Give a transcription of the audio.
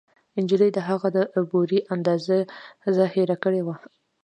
نجلۍ د هغه د بورې اندازه هېره کړې وه